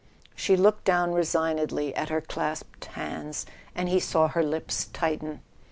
She looked down resignedly at her clasped hands, and he saw her lips tighten.